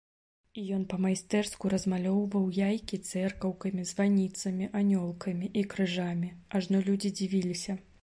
І ён па-майстэрску размалёўваў яйкі цэркаўкамі, званіцамі, анёлкамі і крыжамі, ажно людзі дзівіліся.